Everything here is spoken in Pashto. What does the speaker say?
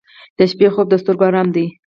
• د شپې خوب د سترګو آرام دی.